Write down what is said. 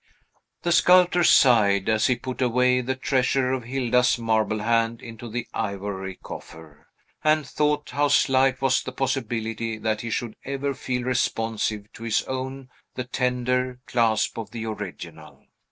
The sculptor sighed as he put away the treasure of Hilda's marble hand into the ivory coffer, and thought how slight was the possibility that he should ever feel responsive to his own the tender clasp of the original.